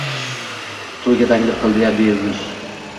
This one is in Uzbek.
Toʻyiga taklif qildi-ya, beyuz